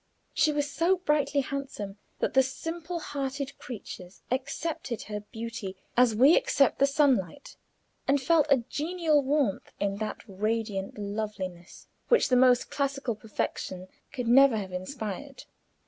She was so brightly handsome that the simple hearted creatures accepted her beauty as we accept the sunlight, and felt a genial warmth in that radiant loveliness which the most classical perfection could never have inspired.